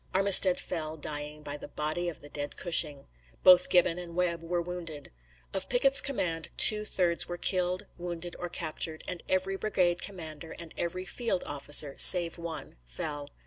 Armistead fell, dying, by the body of the dead Cushing. Both Gibbon and Webb were wounded. Of Pickett's command two thirds were killed, wounded or captured, and every brigade commander and every field officer, save one, fell.